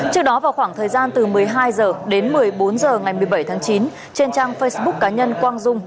trước đó vào khoảng thời gian từ một mươi hai h đến một mươi bốn h ngày một mươi bảy tháng chín trên trang facebook cá nhân quang dung